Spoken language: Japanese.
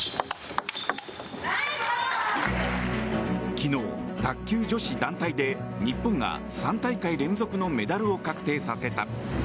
昨日、卓球女子団体で日本が３大会連続のメダルを確定させた。